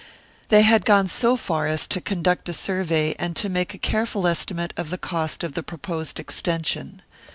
They had gone so far as to conduct a survey, and to make a careful estimate of the cost of the proposed extension.